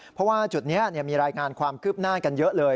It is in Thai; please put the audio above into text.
เพราะว่าจุดนี้มีรายงานความคืบหน้ากันเยอะเลย